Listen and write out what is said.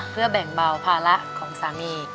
เพื่อแบ่งเบาภาระของสามี